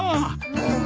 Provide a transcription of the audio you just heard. うん。